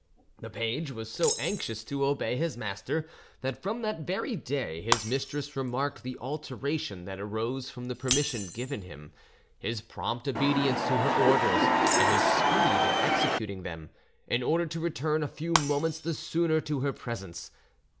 The page was so anxious to obey his master, that from that very day his mistress remarked the alteration that arose from the permission given him—his prompt obedience to her orders and his speed in executing them, in order to return a few moments the sooner to her presence.